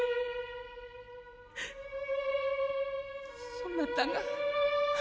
そなたが仇